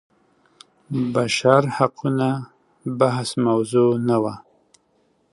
بشر حقونه بحث موضوع نه وه.